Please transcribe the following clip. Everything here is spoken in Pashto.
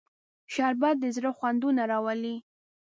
شربت د زړه خوندونه راولي